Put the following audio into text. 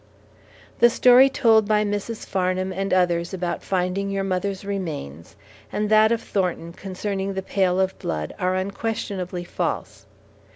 The story told by Mrs. Farnham and others about finding your mother's remains, and that of Thornton concerning the pail of blood, are unquestionably false.